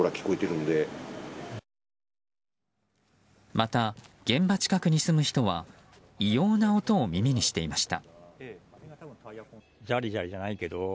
また、現場近くに住む人は異様な音を耳にしていました。